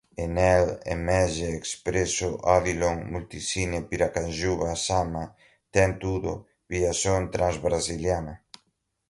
Enel, Emege, Expresso, Odilon, Multicine, Piracanjuba, Sama, Tend Tudo, Viação Transbrasiliana